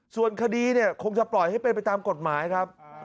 ส่วนคดีเนี่ยคงจะปล่อยให้เป็นไปตามกฎหมายครับ